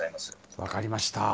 分かりました。